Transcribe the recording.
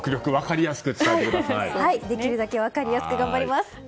できるだけ分かりやすく頑張ります。